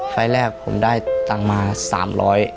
ไฟล์แรกผมได้ตังค์มา๓๐๐บาท